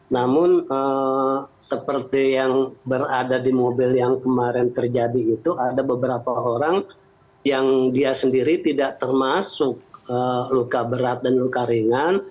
namun seperti yang berada di mobil yang kemarin terjadi itu ada beberapa orang yang dia sendiri tidak termasuk luka berat dan luka ringan